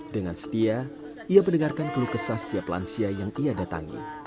dengan setia ia mendengarkan keluh kesah setiap lansia yang ia datangi